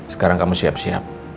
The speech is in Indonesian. sekarang kamu siap siap